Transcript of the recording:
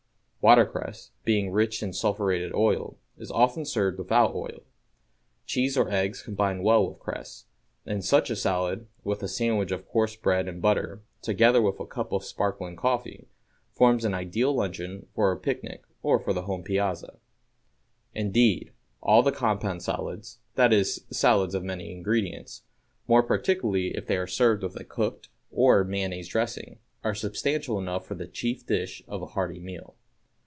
Watercress, being rich in sulphuretted oil, is often served without oil. Cheese or eggs combine well with cress; and such a salad, with a sandwich of coarse bread and butter, together with a cup of sparkling coffee, forms an ideal luncheon for a picnic or for the home piazza. Indeed, all the compound salads, that is, salads of many ingredients, more particularly if they are served with a cooked or mayonnaise dressing, are substantial enough for the chief dish of a hearty meal.